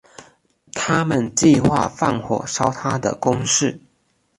他们计划放火烧他的宫室。